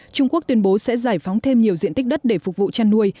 trung quốc tuyên bố sẽ giải phóng thêm nhiều diện tích đất để phục vụ chăn nuôi